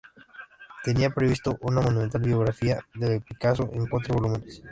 Tenía previsto una monumental biografía de Picasso en cuatro volúmenes.